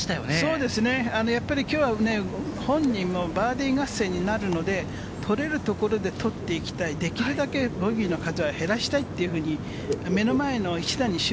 そうですね、きょうはやっぱり本人もバーディー合戦になるので、取れるところで取っていきたい、できるだけボギーの数は減らしたいというふうに目の前の一打に集